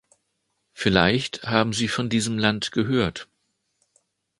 Vielleicht haben sie von diesem Land gehört.